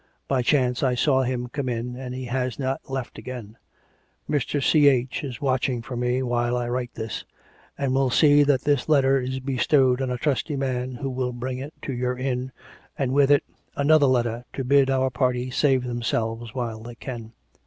By chance I saw him come in, and he has not yet left again. Mr. Ch. is watching for me while I write this, and will see that this letter is bestowed on a trusty man who will bring it to your inn, and, with it, another letter to bid our party save themselves while they can.